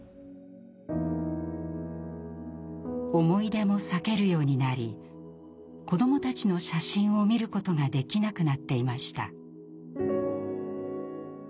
思い出も避けるようになり子どもたちの写真を見ることができなくなっていました。